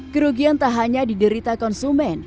kerugian tak hanya diderita konsumen